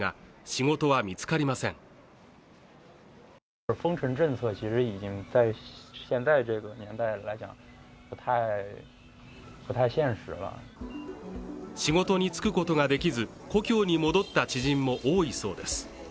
仕事に就くことができず故郷に戻った知人も多いそうです